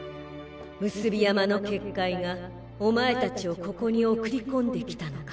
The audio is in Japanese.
産霊山の結界がおまえ達をここに送り込んできたのか。